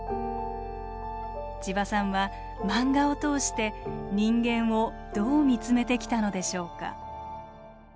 ちばさんは漫画を通して人間をどう見つめてきたのでしょうか。